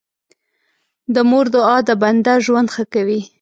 د مور دعا د بنده ژوند ښه کوي.